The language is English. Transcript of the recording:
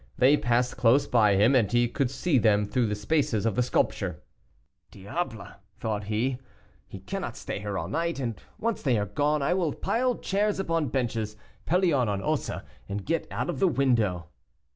They passed close by him, and he could see them through the spaces of the sculpture. [Illustration: CHICOT THE JESTER.] "Diable!" thought he, "he cannot stay here all night, and once they are gone, I will pile chairs upon benches, Pelion on Ossa, and get out of the window.